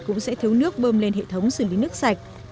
cũng sẽ thiếu nước bơm lên hệ thống xử lý nước sạch